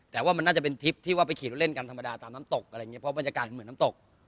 แต่ว่ามันน่าจะเป็นทริปที่ว่าไปขี่รถเล่นกันธรรมดาตามน้ำตกอะไรอย่างเงี้เพราะบรรยากาศมันเหมือนน้ำตก